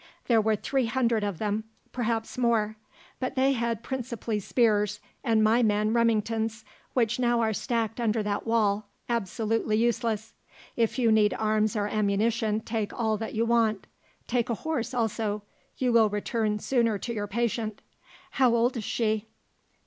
There were three hundred of them; perhaps more. But they had principally spears, and my men Remingtons, which now are stacked under that wall, absolutely useless. If you need arms or ammunition take all that you want. Take a horse also; you will return sooner to your patient how old is she?"